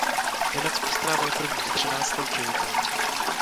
V Německu strávil prvních třináct let života.